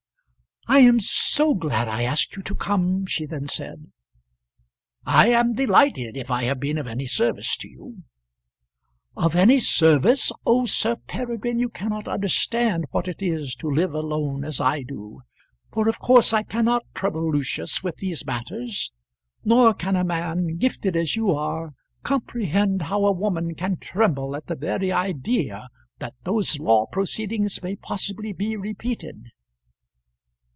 "I am so glad I asked you to come," she then said. "I am delighted, if I have been of any service to you." "Of any service! oh, Sir Peregrine, you cannot understand what it is to live alone as I do, for of course I cannot trouble Lucius with these matters; nor can a man, gifted as you are, comprehend how a woman can tremble at the very idea that those law proceedings may possibly be repeated."